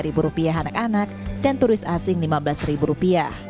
rp lima anak anak dan turis asing rp lima belas